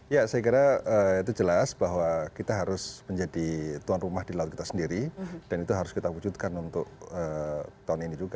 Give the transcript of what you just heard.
ya saya kira itu jelas bahwa kita harus menjadi tuan rumah di laut kita sendiri dan itu harus kita wujudkan untuk tahun ini juga